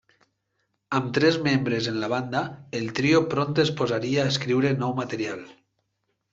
Amb tres membres en la banda, el trio prompte es posaria a escriure nou material.